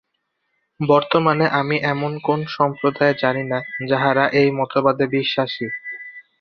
বর্তমানে আমি এমন কোন সম্প্রদায় জানি না, যাঁহারা এই মতবাদে বিশ্বাসী।